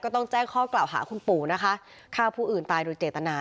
ต้องแจ้งข้อกล่าวหาคุณปู่นะคะฆ่าผู้อื่นตายโดยเจตนา